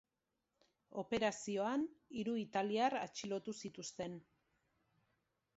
Operazioan hiru italiar atxilotu zituzten.